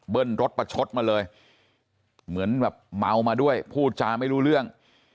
รถประชดมาเลยเหมือนแบบเมามาด้วยพูดจาไม่รู้เรื่อง